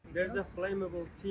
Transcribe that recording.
ada sesuatu yang bisa diperbaiki